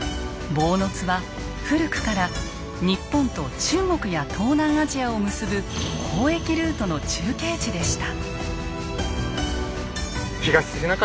坊津は古くから日本と中国や東南アジアを結ぶ交易ルートの中継地でした。